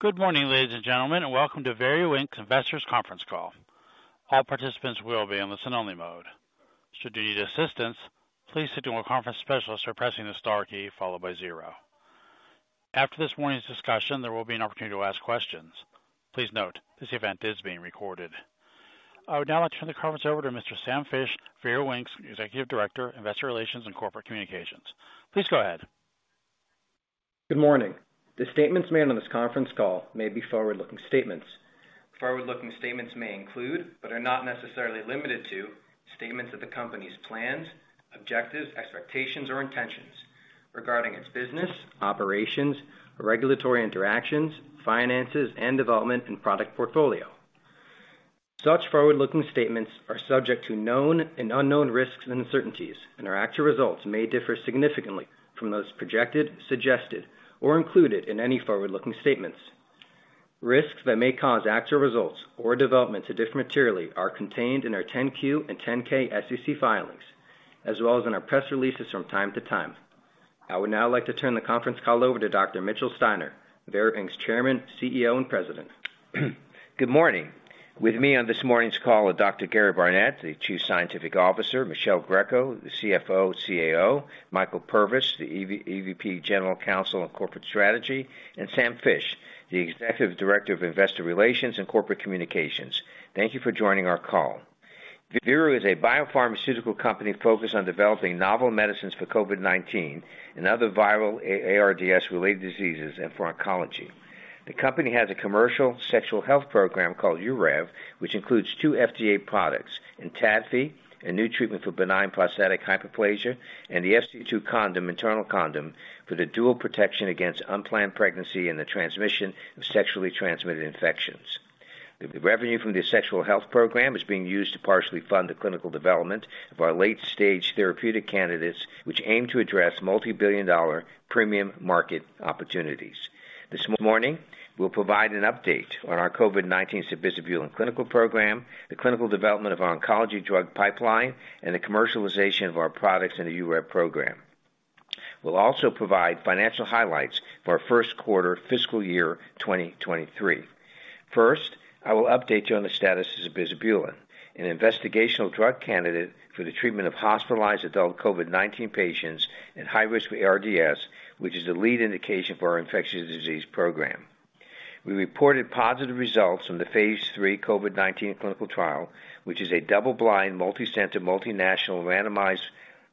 Good morning, ladies and gentlemen, and welcome to Veru Inc.'s Investors Conference Call. All participants will be in listen only mode. Should you need assistance, please signal a conference specialist by pressing the star key followed by 0. After this morning's discussion, there will be an opportunity to ask questions. Please note, this event is being recorded. I would now like to turn the conference over to Mr. Sam Fisch, Veru Inc.'s Executive Director, Investor Relations and Corporate Communications. Please go ahead. Good morning. The statements made on this conference call may be forward-looking statements. Forward-looking statements may include, but are not necessarily limited to, statements of the company's plans, objectives, expectations, or intentions regarding its business, operations, regulatory interactions, finances, and development and product portfolio. Such forward-looking statements are subject to known and unknown risks and uncertainties, and our actual results may differ significantly from those projected, suggested, or included in any forward-looking statements. Risks that may cause actual results or developments to differ materially are contained in our 10-Q and 10-K SEC filings, as well as in our press releases from time to time. I would now like to turn the conference call over to Dr. Mitchell Steiner, Veru Inc.'s Chairman, CEO, and President. Good morning. With me on this morning's call are Dr. Gary Barnette, the Chief Scientific Officer, Michele Greco, the CFO, CAO, Michael Purvis, the EVP, General Counsel and Corporate Strategy, and Sam Fisch, the Executive Director of Investor Relations and Corporate Communications. Thank you for joining our call. Veru is a biopharmaceutical company focused on developing novel medicines for COVID-19 and other viral ARDS related diseases and for oncology. The company has a commercial sexual health program called UREV, which includes two FDA products, ENTADFI, a new treatment for benign prostatic hyperplasia, and the FC2 condom, internal condom for the dual protection against unplanned pregnancy and the transmission of sexually transmitted infections. The revenue from the sexual health program is being used to partially fund the clinical development of our late stage therapeutic candidates, which aim to address multi-billion dollar premium market opportunities. This morning, we'll provide an update on our COVID-19 sabizabulin clinical program, the clinical development of our oncology drug pipeline, and the commercialization of our products in the UREV program. We'll also provide financial highlights for our first quarter fiscal year 2023. First, I will update you on the status of sabizabulin, an investigational drug candidate for the treatment of hospitalized adult COVID-19 patients and high risk ARDS, which is the lead indication for our infectious disease program. We reported positive results from the phase lll COVID-19 clinical trial, which is a double-blind, multicenter, multinational, randomized,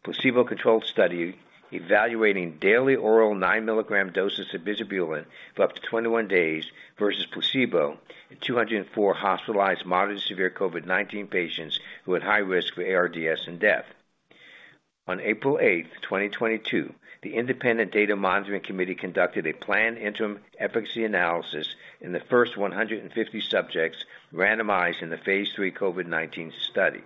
placebo-controlled study evaluating daily oral 9 mg doses of sabizabulin for up to 21 days versus placebo in 204 hospitalized moderate to severe COVID-19 patients who had high risk for ARDS and death. On April 8th, 2022, the Independent Data Monitoring Committee conducted a planned interim efficacy analysis in the first 150 subjects randomized in the phase lll COVID-19 study.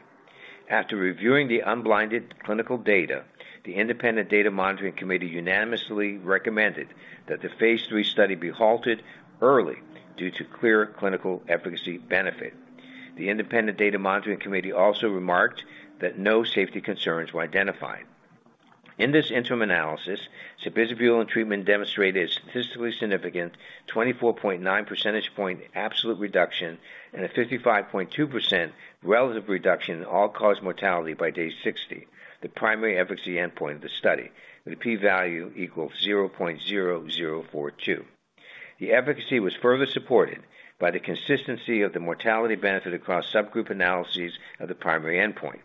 After reviewing the unblinded clinical data, the Independent Data Monitoring Committee unanimously recommended that the phase lll study be halted early due to clear clinical efficacy benefit. The Independent Data Monitoring Committee also remarked that no safety concerns were identified. In this interim analysis, sabizabulin treatment demonstrated a statistically significant 24.9 percentage point absolute reduction and a 55.2% relative reduction in all-cause mortality by day 60, the primary efficacy endpoint of the study with a P-value equal to 0.0042. The efficacy was further supported by the consistency of the mortality benefit across subgroup analyses of the primary endpoint.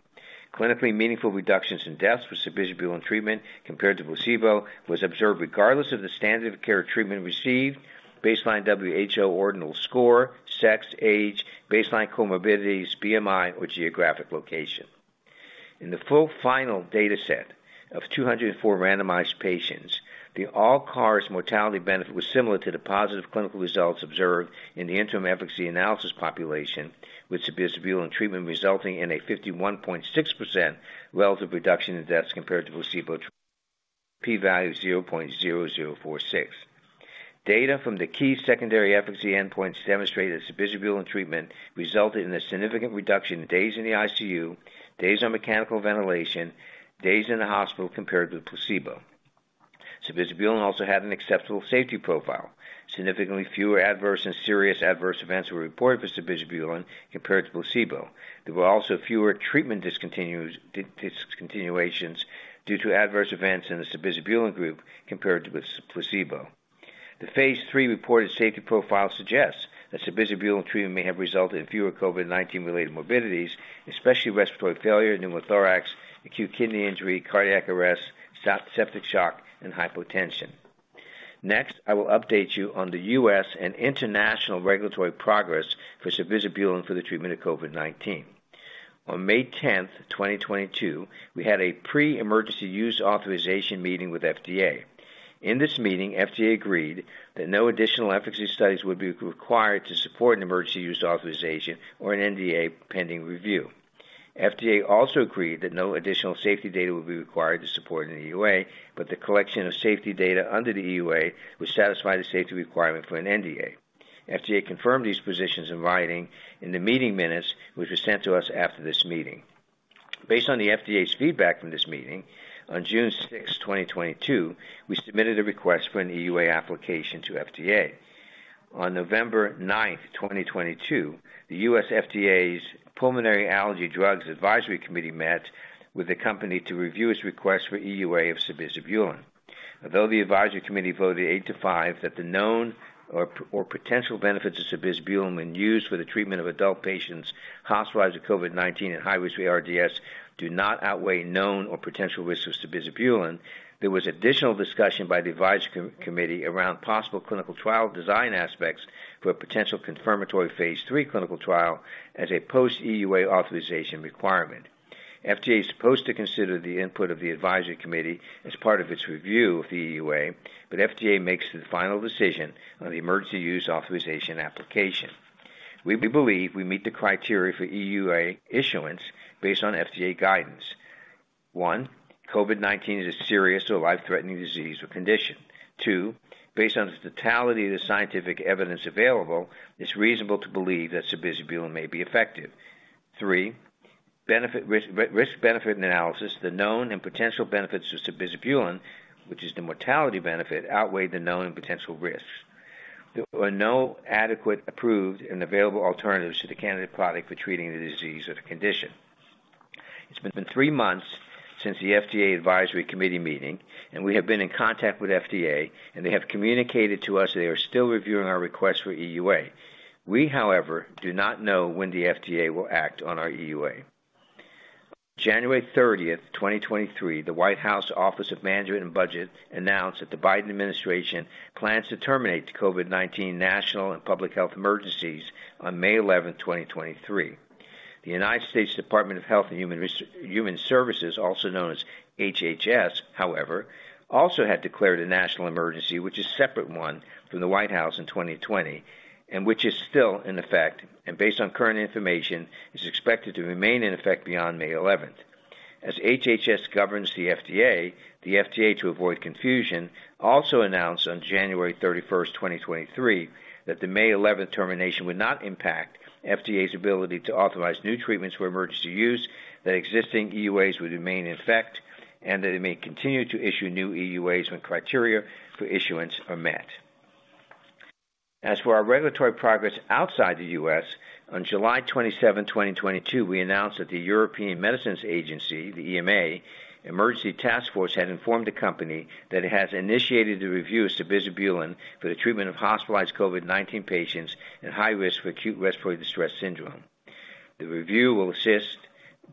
Clinically meaningful reductions in deaths with sabizabulin treatment compared to placebo was observed regardless of the standard of care treatment received, baseline WHO ordinal score, sex, age, baseline comorbidities, BMI or geographic location. In the full final data set of 204 randomized patients, the all-cause mortality benefit was similar to the positive clinical results observed in the interim efficacy analysis population, with sabizabulin treatment resulting in a 51.6% relative reduction in deaths compared to placebo, P-value 0.0046. Data from the key secondary efficacy endpoints demonstrated sabizabulin treatment resulted in a significant reduction in days in the ICU, days on mechanical ventilation, days in the hospital compared with placebo. Sabizabulin also had an acceptable safety profile. Significantly fewer adverse and serious adverse events were reported for sabizabulin compared to placebo. There were also fewer treatment discontinuations due to adverse events in the sabizabulin group compared to the placebo. The phase lll reported safety profile suggests that sabizabulin treatment may have resulted in fewer COVID-19 related morbidities, especially respiratory failure, pneumothorax, acute kidney injury, cardiac arrest, septic shock, and hypotension. Next, I will update you on the U.S. and international regulatory progress for sabizabulin for the treatment of COVID-19. On May 10, 2022, we had a pre-emergency use authorization meeting with FDA. In this meeting, FDA agreed that no additional efficacy studies would be required to support an emergency use authorization or an NDA pending review. FDA also agreed that no additional safety data would be required to support an EUA, but the collection of safety data under the EUA would satisfy the safety requirement for an NDA. FDA confirmed these positions in writing in the meeting minutes, which was sent to us after this meeting. Based on the FDA's feedback from this meeting, on June 6, 2022, we submitted a request for an EUA application to FDA. On November 9, 2022, the U.S. FDA's Pulmonary-Allergy Drugs Advisory Committee met with the company to review its request for EUA of sabizabulin. Although the advisory committee voted eight to five that the known or potential benefits of sabizabulin when used for the treatment of adult patients hospitalized with COVID-19 and high-risk ARDS do not outweigh known or potential risks of sabizabulin, there was additional discussion by the advisory committee around possible clinical trial design aspects for a potential confirmatory phase lll clinical trial as a post EUA authorization requirement. FDA is supposed to consider the input of the advisory committee as part of its review of the EUA. FDA makes the final decision on the emergency use authorization application. We believe we meet the criteria for EUA issuance based on FDA guidance. One, COVID-19 is a serious or life-threatening disease or condition. Two, based on the totality of the scientific evidence available, it's reasonable to believe that sabizabulin may be effective. Three, benefit risk-benefit analysis, the known and potential benefits of sabizabulin, which is the mortality benefit, outweigh the known and potential risks. There are no adequate approved and available alternatives to the candidate product for treating the disease or the condition. It's been three months since the FDA advisory committee meeting. We have been in contact with FDA, and they have communicated to us they are still reviewing our request for EUA. We, however, do not know when the FDA will act on our EUA. January 30, 2023, the White House Office of Management and Budget announced that the Biden administration plans to terminate the COVID-19 national and public health emergencies on May 11, 2023. The U.S.s Department of Health and Human Services, also known as HHS, however, also had declared a national emergency, which is separate one from the White House in 2020, and which is still in effect, and based on current information, is expected to remain in effect beyond May 11. As HHS governs the FDA, the FDA, to avoid confusion, also announced on January 31, 2023, that the May 11 termination would not impact FDA's ability to authorize new treatments for emergency use, that existing EUAs would remain in effect, and that it may continue to issue new EUAs when criteria for issuance are met. As for our regulatory progress outside the U.S., on July 27, 2022, we announced that the European Medicines Agency, the EMA, Emergency Task Force, had informed the company that it has initiated the review of sabizabulin for the treatment of hospitalized COVID-19 patients and high risk for acute respiratory distress syndrome. The review will assist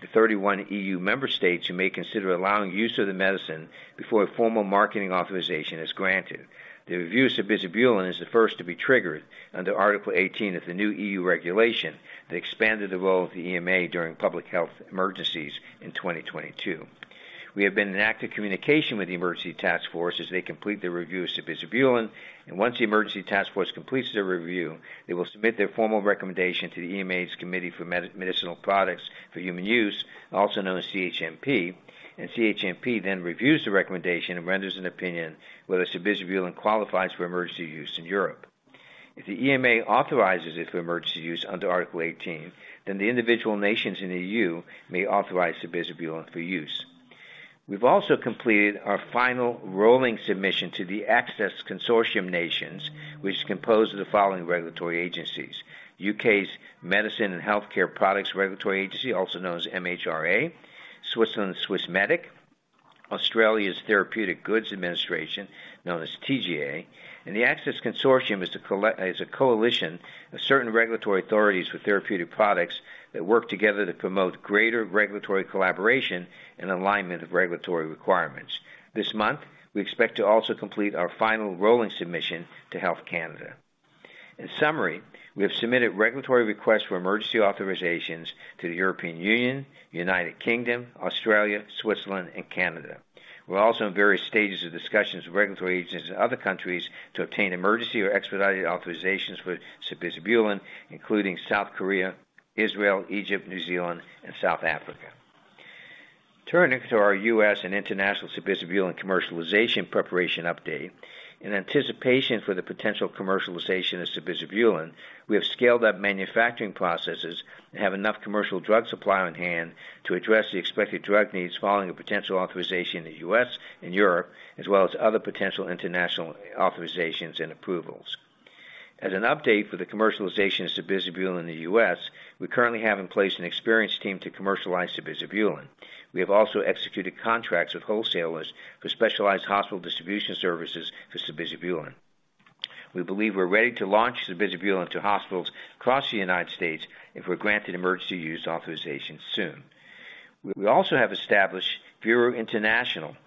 the 31 EU member states who may consider allowing use of the medicine before a formal marketing authorization is granted. The review of sabizabulin is the first to be triggered under Article 18 of the new EU Regulation that expanded the role of the EMA during public health emergencies in 2022. We have been in active communication with the Emergency Task Force as they complete their review of sabizabulin. Once the Emergency Task Force completes their review, they will submit their formal recommendation to the EMA's Committee for Medicinal Products for Human Use, also known as CHMP. CHMP then reviews the recommendation and renders an opinion whether sabizabulin qualifies for emergency use in Europe. If the EMA authorizes it for emergency use under Article 18, then the individual nations in the EU may authorize sabizabulin for use. We've also completed our final rolling submission to the Access Consortium nations, which is composed of the following regulatory agencies: UK's Medicines and Healthcare products Regulatory Agency, also known as MHRA, Switzerland's Swissmedic, Australia's Therapeutic Goods Administration, known as TGA, and the Access Consortium is a coalition of certain regulatory authorities with therapeutic products that work together to promote greater regulatory collaboration and alignment of regulatory requirements. This month, we expect to also complete our final rolling submission to Health Canada. In summary, we have submitted regulatory requests for emergency authorizations to the European Union, U.K., Australia, Switzerland, and Canada. We're also in various stages of discussions with regulatory agencies in other countries to obtain emergency or expedited authorizations for sabizabulin, including South Korea, Israel, Egypt, New Zealand, and South Africa. Turning to our U.S. and international sabizabulin commercialization preparation update. In anticipation for the potential commercialization of sabizabulin, we have scaled up manufacturing processes and have enough commercial drug supply on hand to address the expected drug needs following a potential authorization in the U.S. and Europe, as well as other potential international authorizations and approvals. As an update for the commercialization of sabizabulin in the U.S., we currently have in place an experienced team to commercialize sabizabulin. We have also executed contracts with wholesalers for specialized hospital distribution services for sabizabulin. We believe we're ready to launch sabizabulin to hospitals across the U.S. if we're granted emergency use authorization soon. We also have established Veru International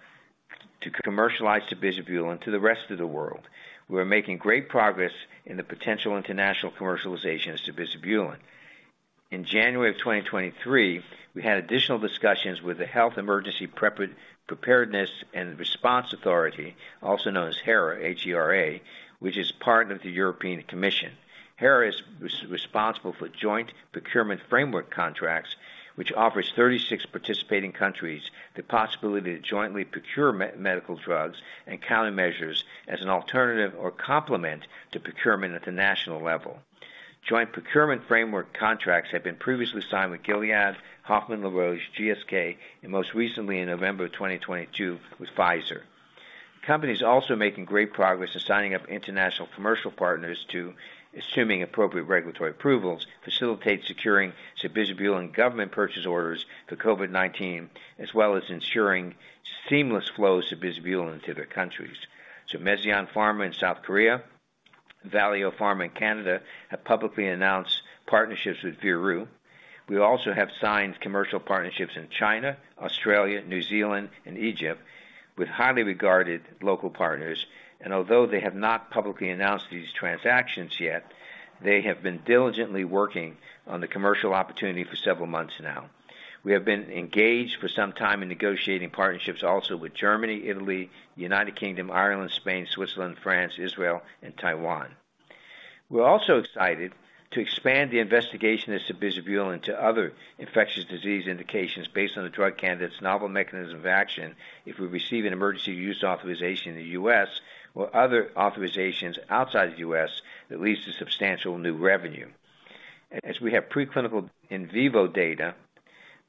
to commercialize sabizabulin to the rest of the world. We are making great progress in the potential international commercialization of sabizabulin. In January of 2023, we had additional discussions with the Health Emergency Preparedness and Response Authority, also known as HERA, H-E-R-A, which is part of the European Commission. HERA is responsible for joint procurement framework contracts, which offers 36 participating countries the possibility to jointly procure medical drugs and countermeasures as an alternative or complement to procurement at the national level. Joint procurement framework contracts have been previously signed with Gilead, Hoffmann-La Roche, GSK, and most recently in November 2022 with Pfizer. Company's also making great progress in signing up international commercial partners to, assuming appropriate regulatory approvals, facilitate securing sabizabulin government purchase orders for COVID-19, as well as ensuring seamless flow of sabizabulin into their countries. Mezzion Pharma in South Korea, Valeo Pharma in Canada, have publicly announced partnerships with Veru. We also have signed commercial partnerships in China, Australia, New Zealand, and Egypt with highly regarded local partners. Although they have not publicly announced these transactions yet, they have been diligently working on the commercial opportunity for several months now. We have been engaged for some time in negotiating partnerships also with Germany, Italy, U.K., Ireland, Spain, Switzerland, France, Israel, and Taiwan. We're also excited to expand the investigation of sabizabulin to other infectious disease indications based on the drug candidate's novel mechanism of action, if we receive an emergency use authorization in the U.S. or other authorizations outside of the U.S., that leads to substantial new revenue. As we have preclinical in vivo data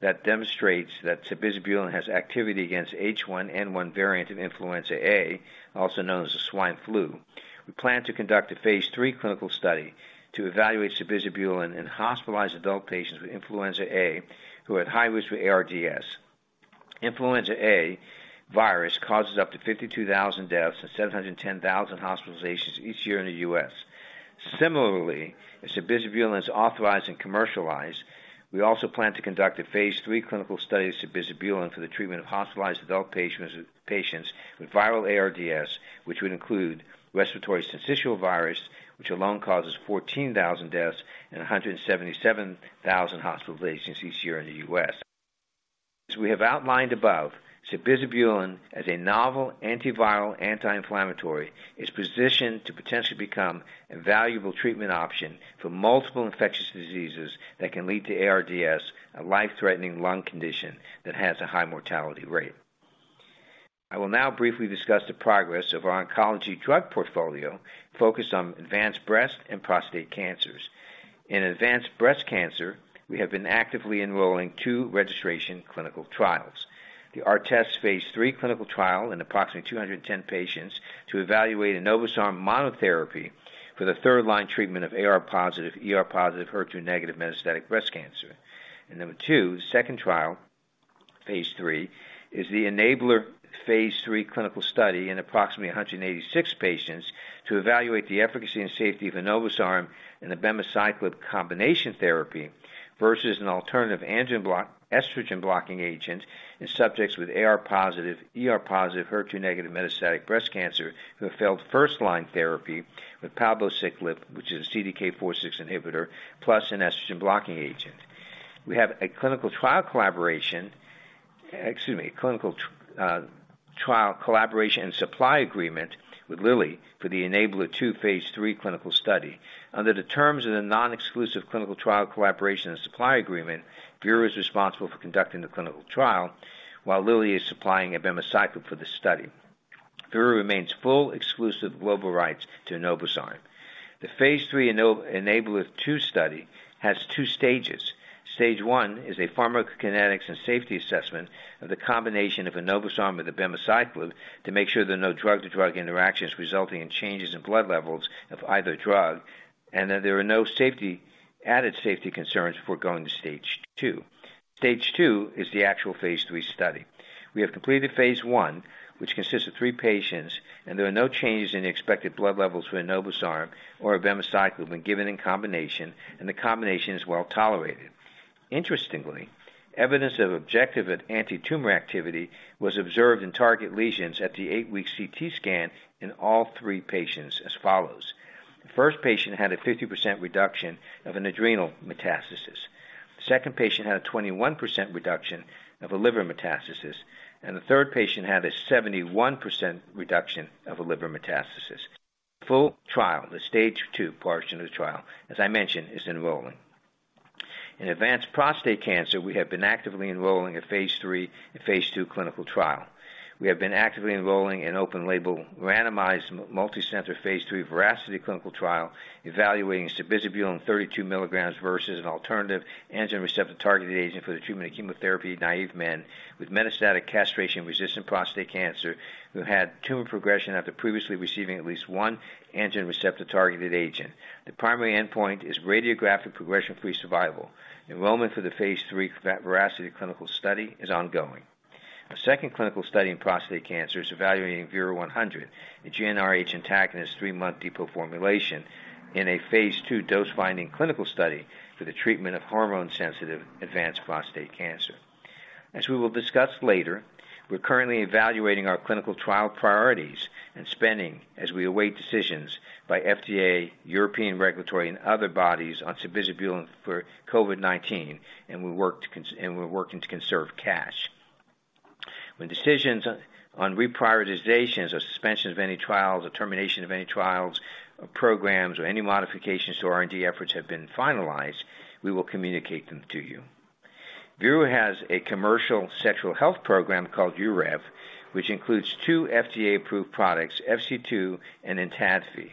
that demonstrates that sabizabulin has activity against H1N1 variant of influenza A, also known as the swine flu. We plan to conduct a phase lll clinical study to evaluate sabizabulin in hospitalized adult patients with Influenza A who are at high risk for ARDS. Influenza A virus causes up to 52,000 deaths and 710,000 hospitalizations each year in the U.S. Similarly, as sabizabulin is authorized and commercialized, we also plan to conduct a phase lll clinical study of sabizabulin for the treatment of hospitalized adult patients with viral ARDS, which would include respiratory syncytial virus, which alone causes 14,000 deaths and 177,000 hospitalizations each year in the U.S. As we have outlined above, sabizabulin as a novel antiviral, anti-inflammatory, is positioned to potentially become a valuable treatment option for multiple infectious diseases that can lead to ARDS, a life-threatening lung condition that has a high mortality rate. I will now briefly discuss the progress of our oncology drug portfolio focused on advanced breast and prostate cancers. In advanced breast cancer, we have been actively enrolling two registration clinical trials. The ARTEST phase lll clinical trial in approximately 210 patients to evaluate enobosarm monotherapy for the third line treatment of AR-positive, ER-positive, HER2-negative metastatic breast cancer. Number two, the second trial, phase lll, is the ENABLAR-2 phase lll clinical study in approximately 186 patients to evaluate the efficacy and safety of enobosarm and abemaciclib combination therapy versus an alternative estrogen blocking agent in subjects with AR-positive, ER-positive, HER2-negative metastatic breast cancer who have failed first-line therapy with palbociclib, which is a CDK4/6 inhibitor, plus an estrogen blocking agent. We have a clinical trial collaboration, excuse me, clinical trial collaboration and supply agreement with Lilly for the ENABLAR-2 phase lll clinical study. Under the terms of the non-exclusive clinical trial collaboration and supply agreement, Veru is responsible for conducting the clinical trial while Lilly is supplying abemaciclib for the study. Veru remains full exclusive global rights to enobosarm. The phase lll ENABLAR-2 study has two stages. Stage 1 is a pharmacokinetics and safety assessment of the combination of enobosarm with abemaciclib to make sure there are no drug-to-drug interactions resulting in changes in blood levels of either drug, and that there are no safety, added safety concerns before going to stage 2. Stage 2 is the actual phase lll study. We have completed phase I, which consists of three patients. There are no changes in the expected blood levels for enobosarm or abemaciclib when given in combination. The combination is well-tolerated. Interestingly, evidence of objective and antitumor activity was observed in target lesions at the 8-week CT scan in all three patients as follows: The first patient had a 50% reduction of an adrenal metastasis. The second patient had a 21% reduction of a liver metastasis. The third patient had a 71% reduction of a liver metastasis. Full trial, the stage II portion of the trial, as I mentioned, is enrolling. In advanced prostate cancer, we have been actively enrolling a phase III and phase II clinical trial. We have been actively enrolling an open label, randomized, multicenter, phase lll VERACITY clinical trial evaluating sabizabulin 32 milligrams versus an alternative androgen receptor-targeted agent for the treatment of chemotherapy-naive men with metastatic castration-resistant prostate cancer who had tumor progression after previously receiving at least one androgen receptor-targeted agent. The primary endpoint is radiographic progression-free survival. Enrollment for the phase lll VERACITY clinical study is ongoing. A second clinical study in prostate cancer is evaluating VERU-100, a GnRH antagonist three-month depot formulation in a phase ll dose-finding clinical study for the treatment of hormone-sensitive advanced prostate cancer. As we will discuss later, we're currently evaluating our clinical trial priorities and spending as we await decisions by FDA, European regulatory, and other bodies on sabizabulin for COVID-19, we're working to conserve cash. When decisions on reprioritizations or suspension of any trials or termination of any trials or programs or any modifications to R&D efforts have been finalized, we will communicate them to you. Veru has a commercial sexual health program called UREV, which includes two FDA approved products, FC2 and ENTADFI.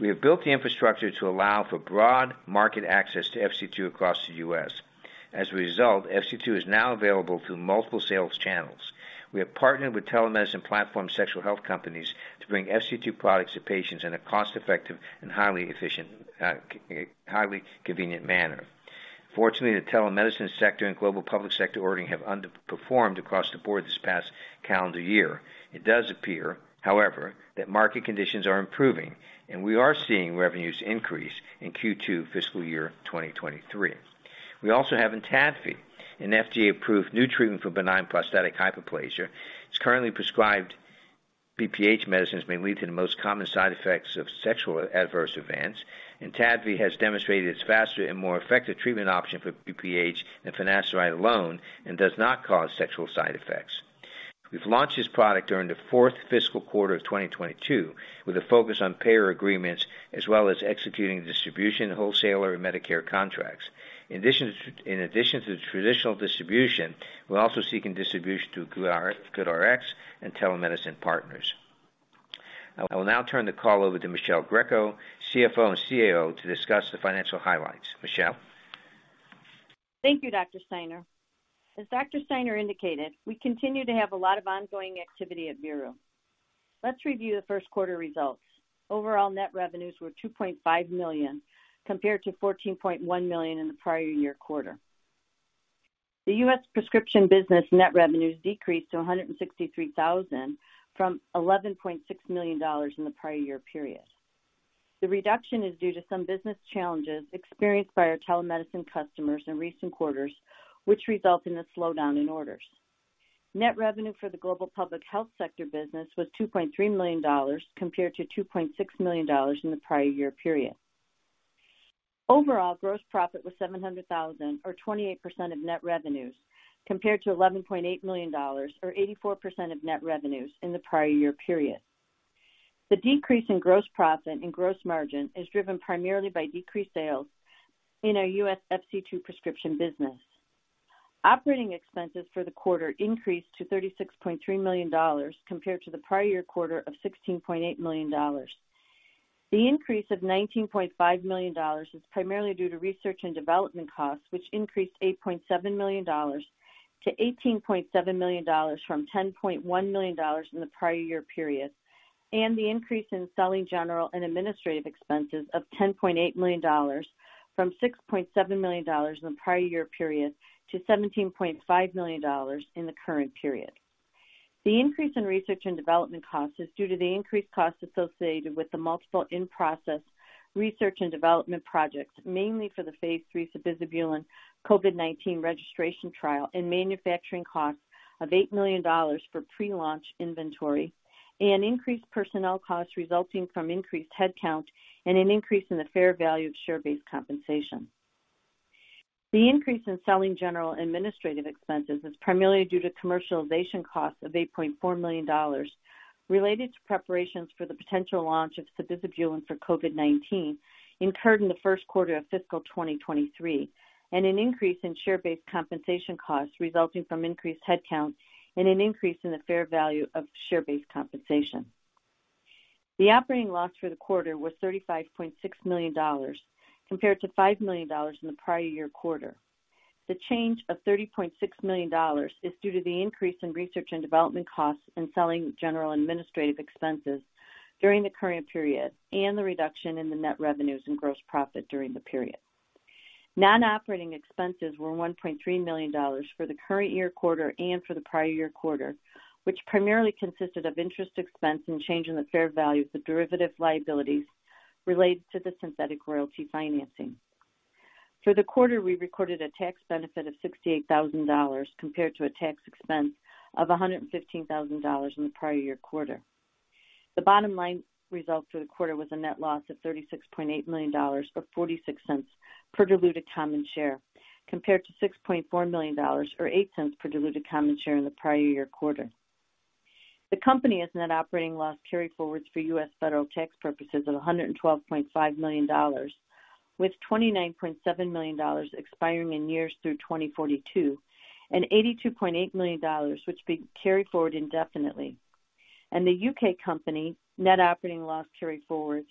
We have built the infrastructure to allow for broad market access to FC2 across the U.S. As a result, FC2 is now available through multiple sales channels. We have partnered with telemedicine platform sexual health companies to bring FC2 products to patients in a cost effective and highly efficient, highly convenient manner. Unfortunately, the telemedicine sector and global public sector ordering have underperformed across the board this past calendar year. It does appear, however, that market conditions are improving and we are seeing revenues increase in Q2 fiscal year 2023. We also have ENTADFI, an FDA-approved new treatment for benign prostatic hyperplasia. Its currently prescribed BPH medicines may lead to the most common side effects of sexual adverse events. ENTADFI has demonstrated its faster and more effective treatment option for BPH than finasteride alone and does not cause sexual side effects. We've launched this product during the fourth fiscal quarter of 2022 with a focus on payer agreements as well as executing distribution, wholesaler and Medicare contracts. In addition to the traditional distribution, we're also seeking distribution through GoodRx and telemedicine partners. I will now turn the call over to Michele Greco, CFO and CAO, to discuss the financial highlights. Michele. Thank you, Dr. Steiner. As Dr. Steiner indicated, we continue to have a lot of ongoing activity at Veru. Let's review the first quarter results. Overall net revenues were $2.5 million compared to $14.1 million in the prior year quarter. The U.S. prescription business net revenues decreased to $163,000 from $11.6 million in the prior year period. The reduction is due to some business challenges experienced by our telemedicine customers in recent quarters, which result in a slowdown in orders. Net revenue for the global public health sector business was $2.3 million compared to $2.6 million in the prior year period. Overall, gross profit was $700,000 or 28% of net revenues, compared to $11.8 million, or 84% of net revenues in the prior year period. The decrease in gross profit and gross margin is driven primarily by decreased sales in our U.S. FC2 prescription business. Operating expenses for the quarter increased to $36.3 million compared to the prior year quarter of $16.8 million. The increase of $19.5 million is primarily due to research and development costs, which increased $8.7 million to $18.7 million from $10.1 million in the prior year period, and the increase in selling general and administrative expenses of $10.8 million from $6.7 million in the prior year period to $17.5 million in the current period. The increase in research and development costs is due to the increased costs associated with the multiple in-process research and development projects, mainly for the phase lll sabizabulin COVID-19 registration trial and manufacturing costs of $8 million for pre-launch inventory and increased personnel costs resulting from increased headcount and an increase in the fair value of share-based compensation. The increase in selling general administrative expenses is primarily due to commercialization costs of $8.4 million related to preparations for the potential launch of sabizabulin for COVID-19 incurred in the first quarter of fiscal 2023, and an increase in share-based compensation costs resulting from increased headcount and an increase in the fair value of share-based compensation. The operating loss for the quarter was $35.6 million compared to $5 million in the prior year quarter. The change of $30.6 million is due to the increase in research and development costs and selling general administrative expenses during the current period and the reduction in the net revenues and gross profit during the period. Non-operating expenses were $1.3 million for the current year quarter and for the prior year quarter, which primarily consisted of interest expense and change in the fair value of the derivative liabilities related to the synthetic royalty financing. For the quarter, we recorded a tax benefit of $68,000 compared to a tax expense of $115,000 in the prior year quarter. The bottom line result for the quarter was a net loss of $36.8 million, or $0.46 per diluted common share, compared to $6.4 million, or $0.08 per diluted common share in the prior year quarter. The company has net operating loss carryforwards for U.S. federal tax purposes of $112.5 million, with $29.7 million expiring in years through 2042 and $82.8 million, which be carried forward indefinitely. The U.K. company net operating loss carryforwards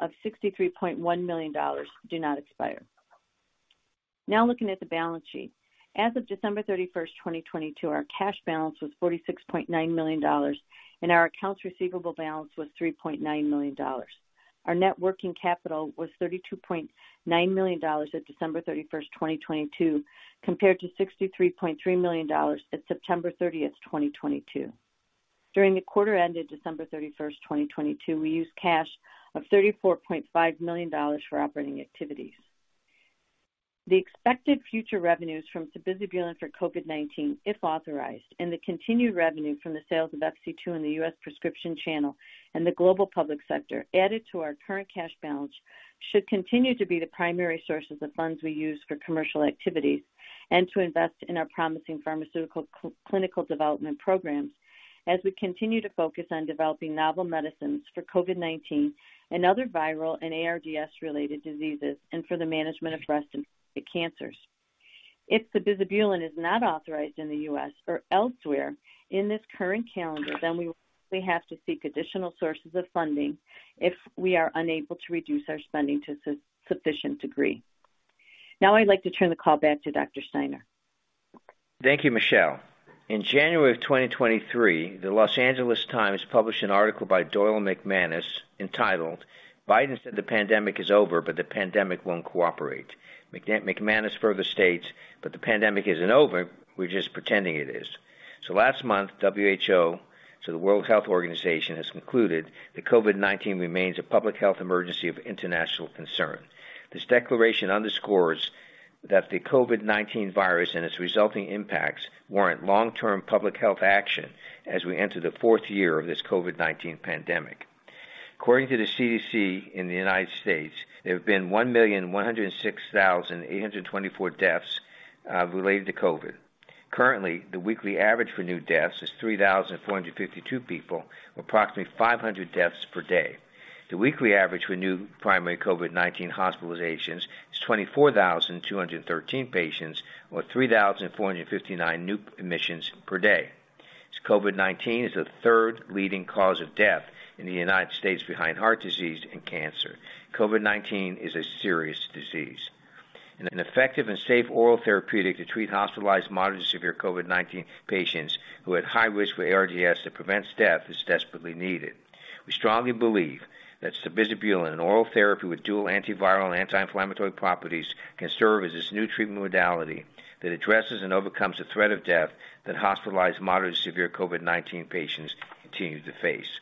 of $63.1 million do not expire. Now looking at the balance sheet. As of December 31, 2022, our cash balance was $46.9 million, and our accounts receivable balance was $3.9 million. Our net working capital was $32.9 million at December 31, 2022, compared to $63.3 million at September 30, 2022. During the quarter ended December 31, 2022, we used cash of $34.5 million for operating activities. The expected future revenues from sabizabulin for COVID-19, if authorized, and the continued revenue from the sales of FC2 in the U.S. prescription channel and the global public sector added to our current cash balance should continue to be the primary sources of funds we use for commercial activities and to invest in our promising pharmaceutical clinical development programs as we continue to focus on developing novel medicines for COVID-19 and other viral and ARDS related diseases, and for the management of breast and cancers. If sabizabulin is not authorized in the U.S. or elsewhere in this current calendar, then we will have to seek additional sources of funding if we are unable to reduce our spending to sufficient degree. I'd like to turn the call back to Dr. Steiner. Thank you, Michele. In January of 2023, the Los Angeles Times published an article by Doyle McManus entitled, "Biden Said the Pandemic is Over, But the Pandemic Won't Cooperate." McManus further states, "But the pandemic isn't over. We're just pretending it is." Last month, WHO, so the World Health Organization, has concluded that COVID-19 remains a public health emergency of international concern. This declaration underscores that the COVID-19 virus and its resulting impacts warrant long-term public health action as we enter the fourth year of this COVID-19 pandemic. According to the CDC in the U.S.s, there have been 1,106,824 deaths related to COVID-19. Currently, the weekly average for new deaths is 3,452 people, or approximately 500 deaths per day. The weekly average for new primary COVID-19 hospitalizations is 24,213 patients, or 3,459 new admissions per day, as COVID-19 is the third leading cause of death in the U.S.s behind heart disease and cancer. COVID-19 is a serious disease. An effective and safe oral therapeutic to treat hospitalized moderate to severe COVID-19 patients who are at high risk for ARDS to prevent death is desperately needed. We strongly believe that sabizabulin, an oral therapy with dual antiviral and anti-inflammatory properties, can serve as this new treatment modality that addresses and overcomes the threat of death that hospitalized moderate to severe COVID-19 patients continue to face.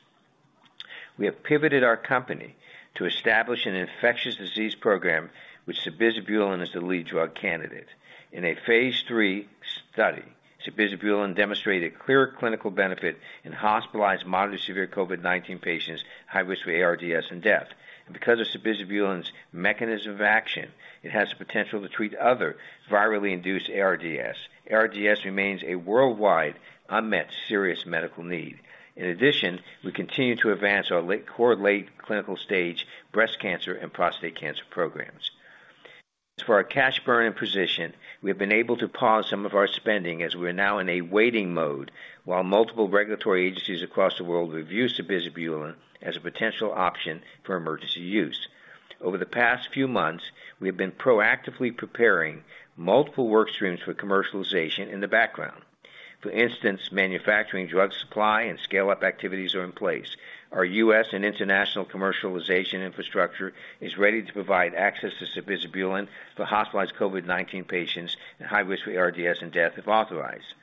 We have pivoted our company to establish an infectious disease program with sabizabulin as the lead drug candidate. In a phase lll study, sabizabulin demonstrated clear clinical benefit in hospitalized moderate to severe COVID-19 patients high risk for ARDS and death. Because of sabizabulin's mechanism of action, it has the potential to treat other virally induced ARDS. ARDS remains a worldwide unmet serious medical need. In addition, we continue to advance our core late clinical stage breast cancer and prostate cancer programs. As for our cash burn and position, we have been able to pause some of our spending as we are now in a waiting mode while multiple regulatory agencies across the world review sabizabulin as a potential option for emergency use. Over the past few months, we have been proactively preparing multiple work streams for commercialization in the background. For instance, manufacturing drug supply and scale-up activities are in place. Our U.S. and international commercialization infrastructure is ready to provide access to sabizabulin for hospitalized COVID-19 patients and high risk for ARDS and death, if authorized.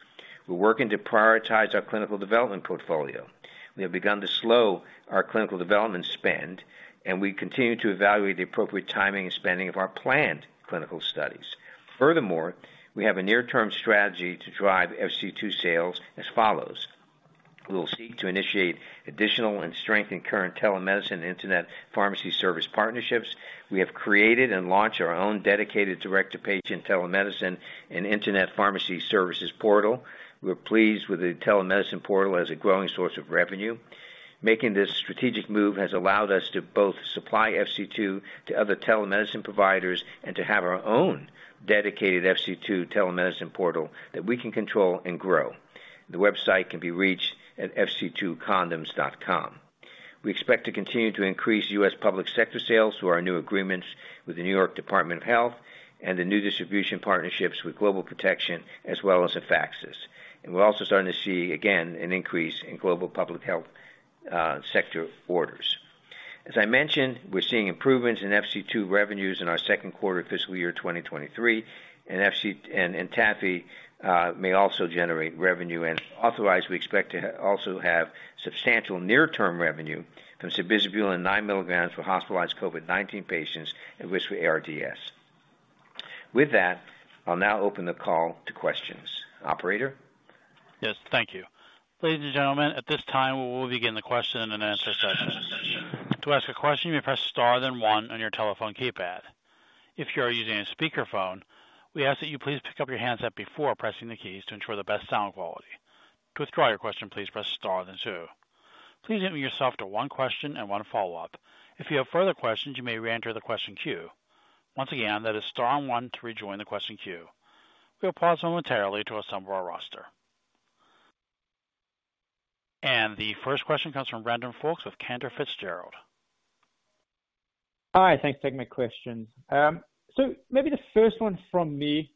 We're working to prioritize our clinical development portfolio. We have begun to slow our clinical development spend. We continue to evaluate the appropriate timing and spending of our planned clinical studies. Furthermore, we have a near-term strategy to drive FC2 sales as follows. We will seek to initiate additional and strengthen current telemedicine internet pharmacy service partnerships. We have created and launched our own dedicated direct-to-patient telemedicine and internet pharmacy services portal. We're pleased with the telemedicine portal as a growing source of revenue. Making this strategic move has allowed us to both supply FC2 to other telemedicine providers and to have our own dedicated FC2 telemedicine portal that we can control and grow. The website can be reached at fc2condoms.com. We expect to continue to increase U.S. public sector sales through our new agreements with the New York State Department of Health and the new distribution partnerships with Global Protection as well as Afaxys. We're also starting to see, again, an increase in global public health sector orders. As I mentioned, we're seeing improvements in FC2 revenues in our second quarter of fiscal year 2023, and ENTADFI may also generate revenue. Otherwise, we expect to also have substantial near-term revenue from sabizabulin nine milligrams for hospitalized COVID-19 patients at risk for ARDS. With that, I'll now open the call to questions. Operator? Yes, thank you. Ladies and gentlemen, at this time, we will begin the question and answer session. To ask a question, you may press star then one on your telephone keypad. If you are using a speakerphone, we ask that you please pick up your handset before pressing the keys to ensure the best sound quality. To withdraw your question, please press star then two. Please limit yourself to one question and one follow-up. If you have further questions, you may reenter the question queue. Once again, that is star one to rejoin the question queue. We'll pause momentarily to assemble our roster. The first question comes from Brandon Folkes with Cantor Fitzgerald. All right. Thanks. Taking my questions. Maybe the first one from me,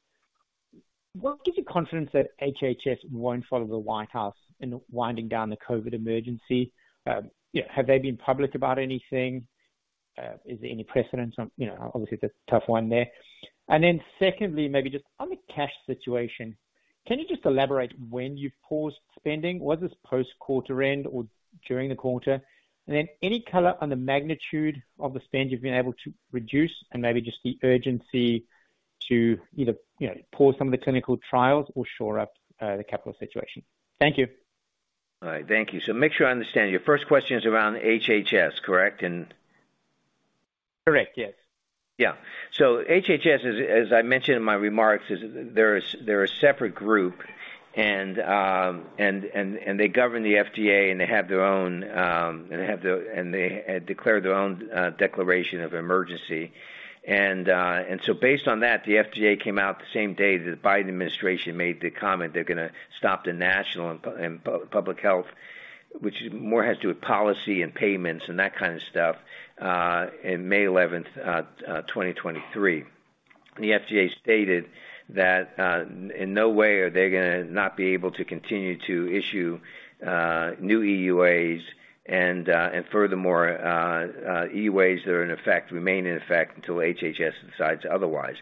what gives you confidence that HHS won't follow the White House in winding down the COVID emergency? You know, have they been public about anything? Is there any precedence on? You know, obviously, that's a tough one there. Secondly, maybe just on the cash situation, can you just elaborate when you paused spending? Was this post-quarter end or during the quarter? Any color on the magnitude of the spend you've been able to reduce and maybe just the urgency to either, you know, pause some of the clinical trials or shore up the capital situation? Thank you. All right. Thank you. Make sure I understand. Your first question is around HHS, correct? Correct. Yes. Yeah. HHS, as I mentioned in my remarks, they're a separate group. They govern the FDA and they have their own and they declare their own declaration of emergency. Based on that, the FDA came out the same day that the Biden administration made the comment they're gonna stop the national and public health, which more has to do with policy and payments and that kind of stuff, in May 11th, 2023. The FDA stated that in no way are they gonna not be able to continue to issue new EUAs and furthermore, EUAs that are in effect remain in effect until HHS decides otherwise.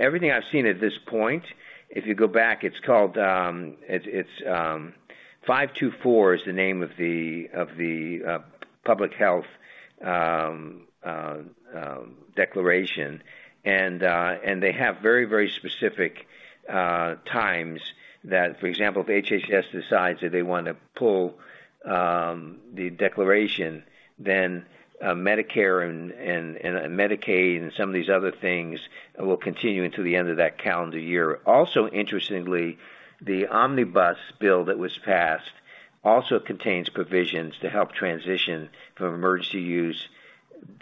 Everything I've seen at this point, if you go back, it's called, it's 524 is the name of the public health declaration. They have very specific times that, for example, if HHS decides that they want to pull the declaration, Medicare and Medicaid and some of these other things will continue until the end of that calendar year. Also, interestingly, the Omnibus bill that was passed also contains provisions to help transition from emergency use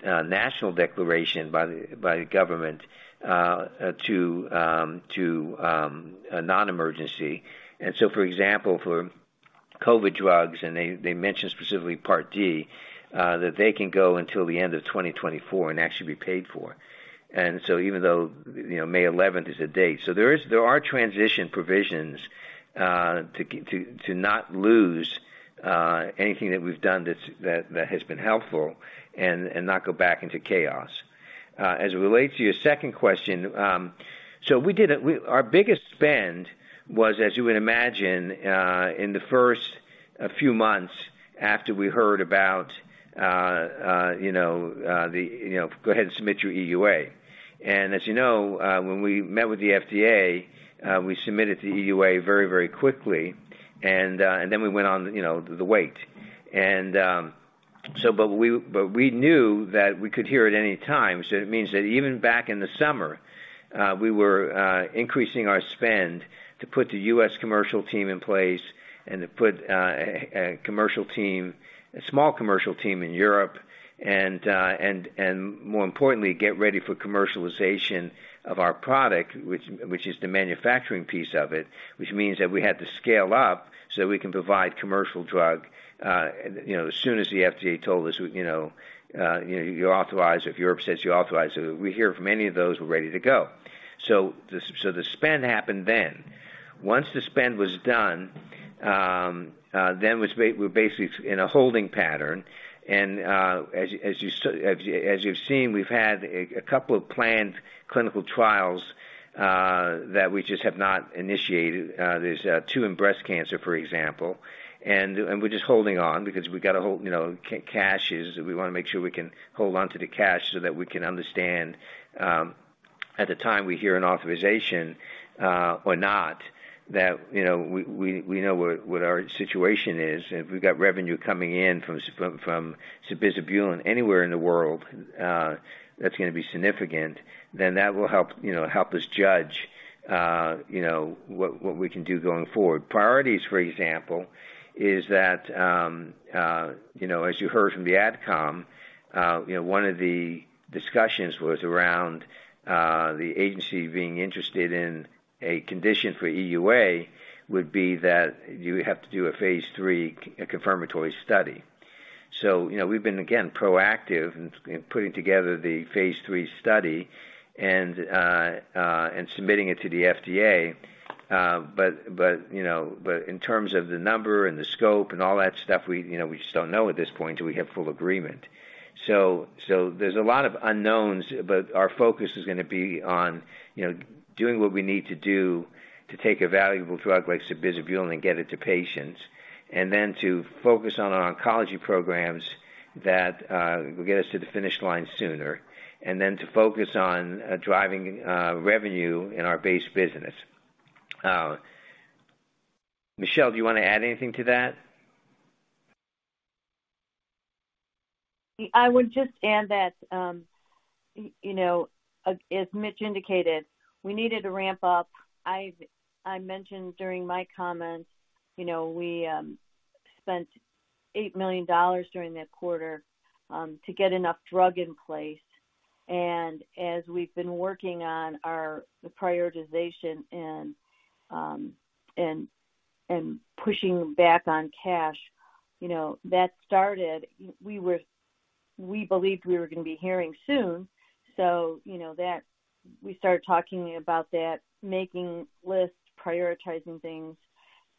national declaration by the government to non-emergency. For example, for COVID drugs, they mention specifically Part D that they can go until the end of 2024 and actually be paid for. Even though, you know, May 11th is the date. There are transition provisions to not lose anything that has been helpful and not go back into chaos. As it relates to your second question, we did it. Our biggest spend was, as you would imagine, in the first few months after we heard about, you know, the, you know, "Go ahead and submit your EUA." As you know, when we met with the FDA, we submitted the EUA very quickly, and then we went on, you know, the wait. We knew that we could hear at any time, so it means that even back in the summer, we were increasing our spend to put the U.S. commercial team in place and to put a commercial team, a small commercial team in Europe, and more importantly, get ready for commercialization of our product, which is the manufacturing piece of it, which means that we had to scale up so we can provide commercial drug, you know, as soon as the FDA told us, you know, you're authorized, if Europe says you're authorized. We hear from any of those, we're ready to go. The spend happened then. Once the spend was done, we're basically in a holding pattern. As you've seen, we've had a couple of planned clinical trials that we just have not initiated. There's two in breast cancer, for example. We're just holding on because we got to hold, you know. We wanna make sure we can hold onto the cash so that we can understand, at the time we hear an authorization or not, that, you know, we know what our situation is. If we got revenue coming in from sabizabulin anywhere in the world, that's gonna be significant, that will help, you know, help us judge, what we can do going forward. Priorities, for example, is that, you know, as you heard from the AdCom, you know, one of the discussions was around the agency being interested in a condition for EUA would be that you have to do a phase lll confirmatory study. You know, we've been, again, proactive in putting together the phase lll study and submitting it to the FDA. You know, but in terms of the number and the scope and all that stuff, we, you know, we just don't know at this point until we have full agreement. There's a lot of unknowns, but our focus is gonna be on, you know, doing what we need to do to take a valuable drug like sabizabulin and get it to patients. To focus on our oncology programs that will get us to the finish line sooner, and then to focus on driving revenue in our base business. Michele, do you wanna add anything to that? I would just add that, you know, as Mitch indicated, we needed to ramp up. I mentioned during my comments, you know, we spent $8 million during that quarter to get enough drug in place. As we've been working on our, the prioritization and pushing back on cash, you know, that started, we believed we were gonna be hearing soon. You know, that we started talking about that, making lists, prioritizing things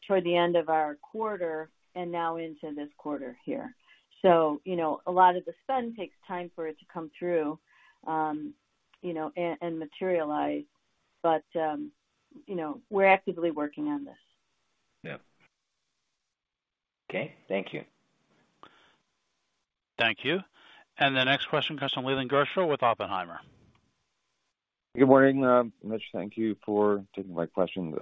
toward the end of our quarter and now into this quarter here. You know, a lot of the spend takes time for it to come through, you know, and materialize. You know, we're actively working on this. Yeah. Okay. Thank you. Thank you. The next question comes from Leland Gershell with Oppenheimer. Good morning. Mitch, thank you for taking my questions.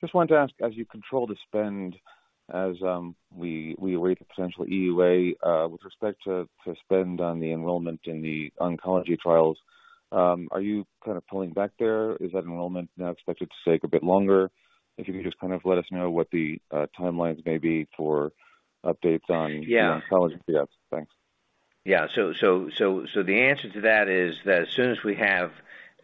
Just wanted to ask, as you control the spendAs, we await the potential EUA with respect to spend on the enrollment in the oncology trials, are you kind of pulling back there? Is that enrollment now expected to take a bit longer? If you could just kind of let us know what the timelines may be for updates. Yeah. the oncology trials. Thanks. So, the answer to that is that as soon as we have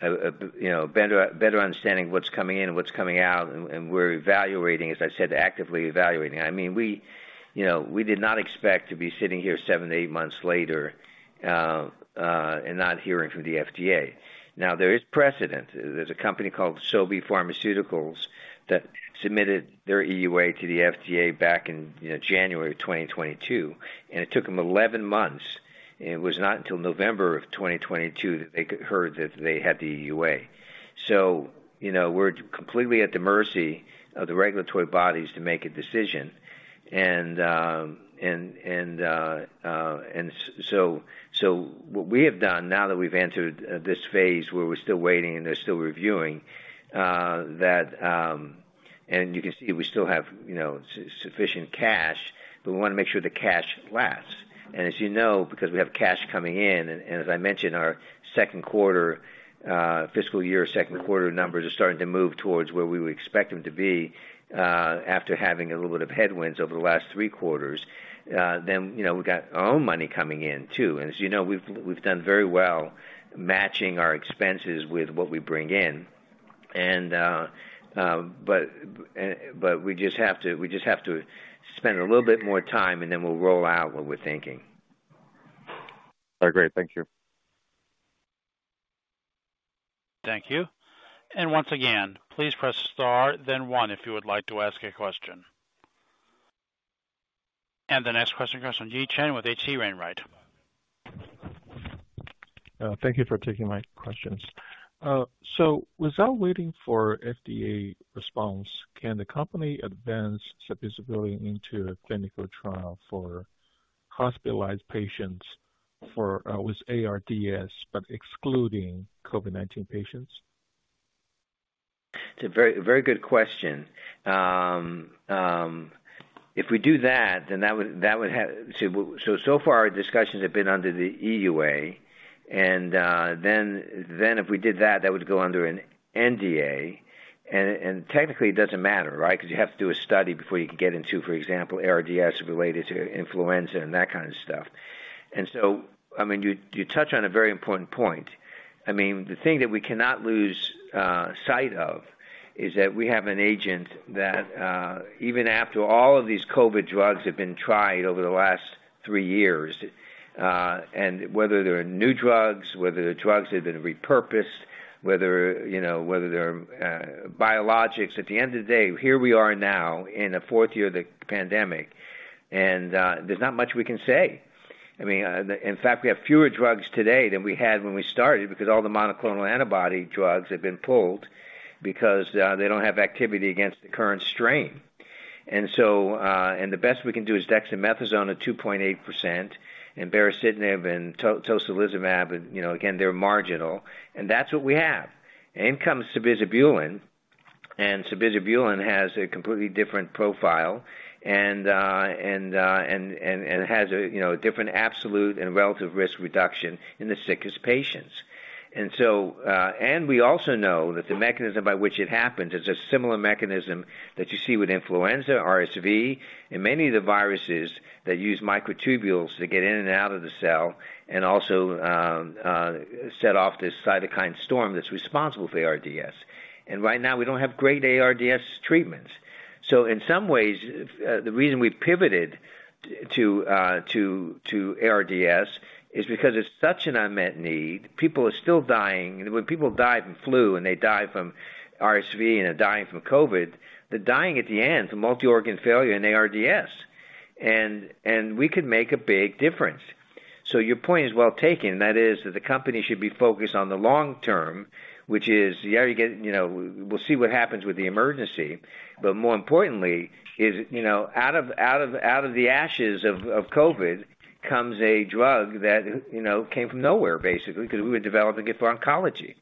a, you know, better understanding of what's coming in and what's coming out, and we're evaluating, as I said, actively evaluating. I mean, we, you know, we did not expect to be sitting here seven, eight months later and not hearing from the FDA. There is precedent. There's a company called Sobi Pharmaceuticals that submitted their EUA to the FDA back in, you know, January 2022, and it took them 11 months. It was not until November of 2022 that they could heard that they had the EUA. You know, we're completely at the mercy of the regulatory bodies to make a decision. What we have done now that we've entered this phase where we're still waiting and they're still reviewing that. You can see we still have, you know, sufficient cash, but we wanna make sure the cash lasts. As you know, because we have cash coming in, as I mentioned, our second quarter fiscal year second quarter numbers are starting to move towards where we would expect them to be after having a little bit of headwinds over the last three quarters. You know, we've got our own money coming in too. As you know, we've done very well matching our expenses with what we bring in. We just have to spend a little bit more time, and then we'll roll out what we're thinking. All right, great. Thank you. Thank you. Once again, please press Star then one if you would like to ask a question. The next question comes from Yi Chen with H.C. Wainwright. Thank you for taking my questions. Without waiting for FDA response, can the company advance sabizabulin into a clinical trial for hospitalized patients for, with ARDS, but excluding COVID-19 patients? It's a very, very good question. If we do that, so far our discussions have been under the EUA, then if we did that would go under an NDA. Technically it doesn't matter, right? 'Cause you have to do a study before you can get into, for example, ARDS related to influenza and that kind of stuff. I mean, you touch on a very important point. I mean, the thing that we cannot lose sight of is that we have an agent that even after all of these COVID drugs have been tried over the last three years, whether they're new drugs, whether they're drugs that have been repurposed, whether, you know, whether they're biologics. At the end of the day, here we are now in the fourth year of the pandemic, and there's not much we can say. I mean, in fact, we have fewer drugs today than we had when we started because all the monoclonal antibody drugs have been pulled because they don't have activity against the current strain. The best we can do is dexamethasone at 2.8% and baricitinib and tocilizumab and, you know, again, they're marginal, and that's what we have. In comes sabizabulin has a completely different profile and and and has a, you know, different absolute and relative risk reduction in the sickest patients. We also know that the mechanism by which it happens is a similar mechanism that you see with influenza, RSV, and many of the viruses that use microtubules to get in and out of the cell and also set off this cytokine storm that's responsible for ARDS. Right now, we don't have great ARDS treatments. In some ways, the reason we've pivoted to ARDS is because it's such an unmet need. People are still dying. When people die from flu and they die from RSV and are dying from COVID, they're dying at the end from multi-organ failure and ARDS. We could make a big difference. Your point is well taken. That is that the company should be focused on the long term, which is, yeah, you get, you know, we'll see what happens with the emergency, but more importantly is, you know, out of the ashes of COVID comes a drug that, you know, came from nowhere, basically, because we were developing it for oncology.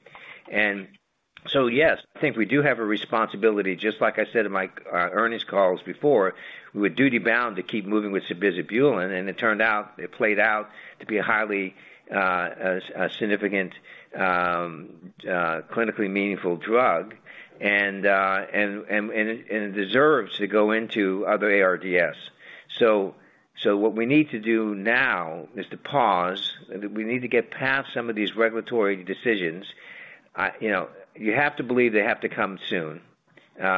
Yes, I think we do have a responsibility, just like I said in my earnings calls before, we're duty-bound to keep moving with sabizabulin, and it turned out, it played out to be a highly significant, clinically meaningful drug and it deserves to go into other ARDS. What we need to do now is to pause. We need to get past some of these regulatory decisions. You know, you have to believe they have to come soon. Again,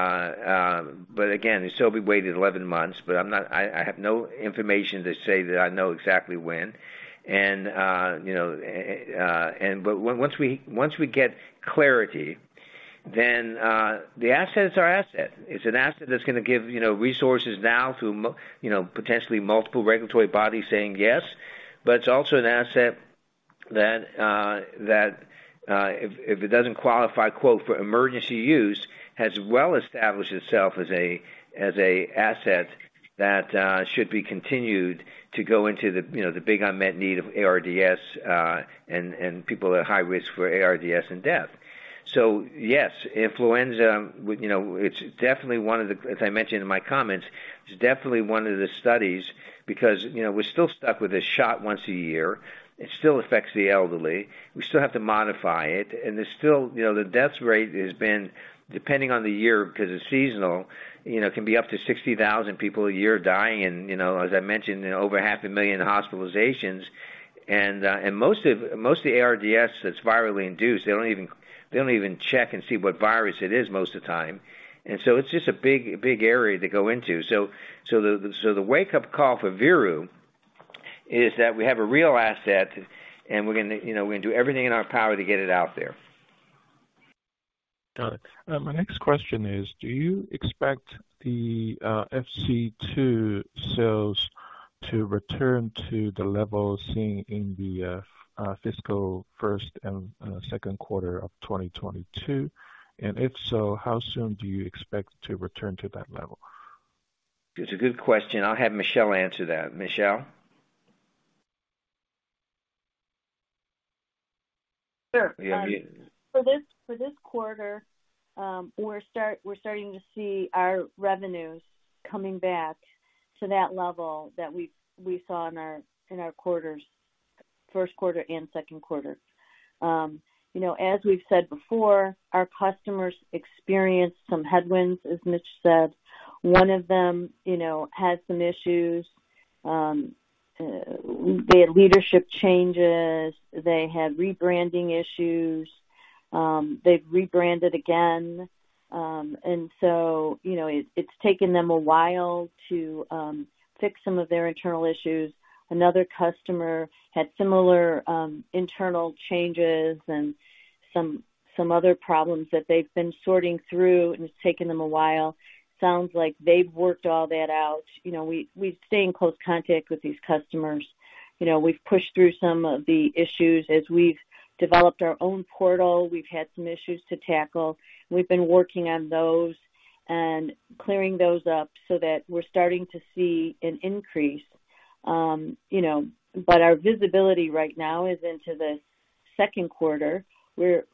Sobi waited 11 months, but I have no information to say that I know exactly when. Once we get clarity, the asset is our asset. It's an asset that's gonna give, you know, resources now to, you know, potentially multiple regulatory bodies saying yes, but it's also an asset that if it doesn't qualify, quote, for emergency use, has well established itself as an asset that should be continued to go into the, you know, the big unmet need of ARDS and people at high risk for ARDS and death. Yes, influenza, you know, it's definitely one of the... As I mentioned in my comments, it's definitely one of the studies because, you know, we're still stuck with a shot once a year. It still affects the elderly. We still have to modify it. There's still, you know, the death rate has been, depending on the year, 'cause it's seasonal, you know, can be up to 60,000 people a year dying and, you know, as I mentioned, over half a million hospitalizations. Most of the ARDS that's virally induced, they don't even check and see what virus it is most of the time. It's just a big, big area to go into. So the wake-up call for Veru is that we have a real asset, and we're gonna, you know, we're gonna do everything in our power to get it out there. Got it. My next question is, do you expect the FC2 sales to return to the level seen in the fiscal first and second quarter of 2022? If so, how soon do you expect to return to that level? It's a good question. I'll have Michele answer that. Michele? Sure. For this, for this quarter, we're starting to see our revenues coming back to that level that we saw in our quarters, first quarter and second quarter. You know, as we've said before, our customers experienced some headwinds, as Mitch said. One of them, you know, had some issues. They had leadership changes. They had rebranding issues. They've rebranded again. So, you know, it's taken them a while to fix some of their internal issues. Another customer had similar internal changes and some other problems that they've been sorting through, and it's taken them a while. Sounds like they've worked all that out. You know, we stay in close contact with these customers. You know, we've pushed through some of the issues. As we've developed our own portal, we've had some issues to tackle, and we've been working on those and clearing those up so that we're starting to see an increase. You know, our visibility right now is into the second quarter, where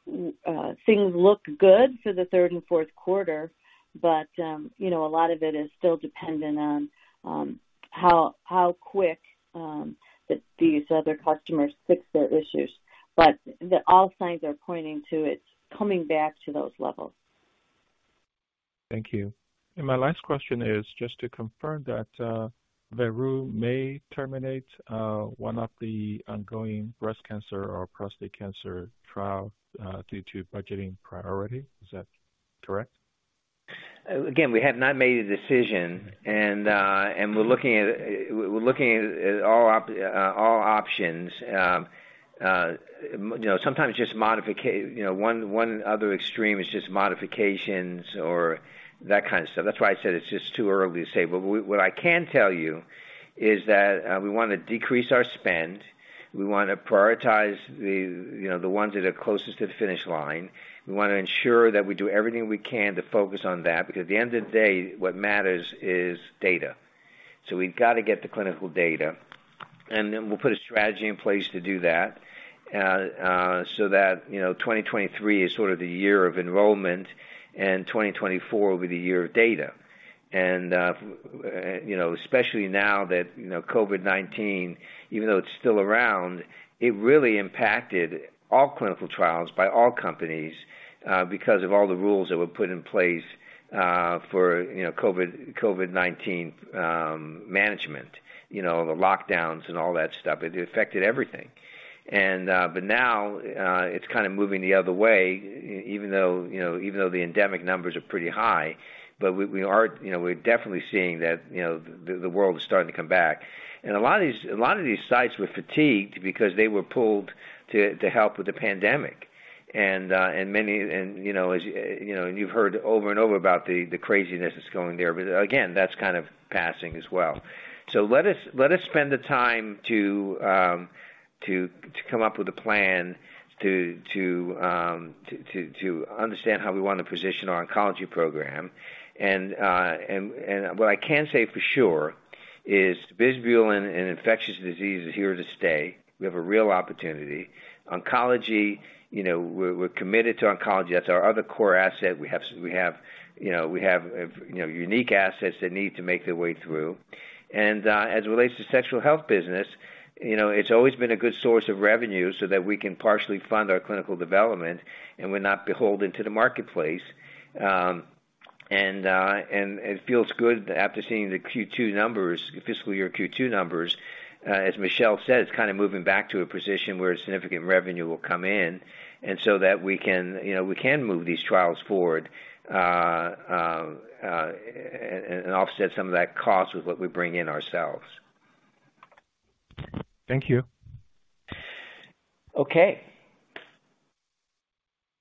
things look good for the third and fourth quarter. You know, a lot of it is still dependent on how quick that these other customers fix their issues. All signs are pointing to it coming back to those levels. Thank you. My last question is just to confirm that, Veru may terminate, one of the ongoing breast cancer or prostate cancer trial, due to budgeting priority. Is that correct? Again, we have not made a decision. We're looking at all options. You know, sometimes just modifica... You know, one other extreme is just modifications or that kind of stuff. That's why I said it's just too early to say. What I can tell you is that we wanna decrease our spend. We wanna prioritize the, you know, the ones that are closest to the finish line. We wanna ensure that we do everything we can to focus on that, because at the end of the day, what matters is data. We've gotta get the clinical data, and then we'll put a strategy in place to do that. That, you know, 2023 is sort of the year of enrollment, and 2024 will be the year of data. You know, especially now that, you know, COVID-19, even though it's still around, it really impacted all clinical trials by all companies because of all the rules that were put in place for, you know, COVID-19 management. You know, the lockdowns and all that stuff. It affected everything. Now, it's kinda moving the other way even though, you know, even though the endemic numbers are pretty high. We, we are, you know, we're definitely seeing that, you know, the world is starting to come back. A lot of these, a lot of these sites were fatigued because they were pulled to help with the pandemic. You know, as, you know, and you've heard over and over about the craziness that's going there. Again, that's kind of passing as well. Let us spend the time to come up with a plan to understand how we wanna position our oncology program. What I can say for sure is sabizabulin and infectious disease is here to stay. We have a real opportunity. Oncology, you know, we're committed to oncology. That's our other core asset. We have, you know, we have, you know, unique assets that need to make their way through. As it relates to sexual health business, you know, it's always been a good source of revenue so that we can partially fund our clinical development, and we're not beholden to the marketplace. It feels good after seeing the Q2 numbers, fiscal year Q2 numbers. As Michele said, it's kinda moving back to a position where significant revenue will come in, and so that we can, you know, we can move these trials forward, and offset some of that cost with what we bring in ourselves. Thank you. Okay.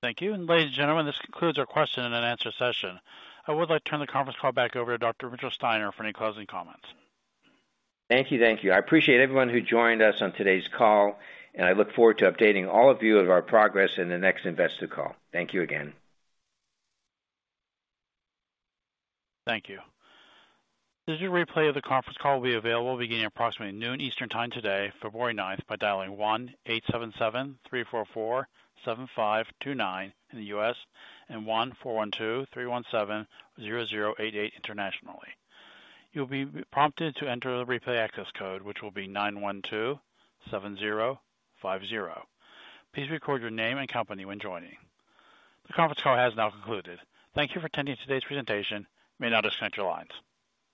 Thank you. Ladies and gentlemen, this concludes our question and answer session. I would like to turn the conference call back over to Dr. Mitchell Steiner for any closing comments. Thank you. Thank you. I appreciate everyone who joined us on today's call, and I look forward to updating all of you of our progress in the next investor call. Thank you again. Thank you. A replay of the conference call will be available beginning approximately noon Eastern time today, February ninth, by dialing 18773447529 in the U.S. and 14123170088 internationally. You'll be prompted to enter the replay access code, which will be 9127050. Please record your name and company when joining. The conference call has now concluded. Thank you for attending today's presentation. You may now disconnect your lines.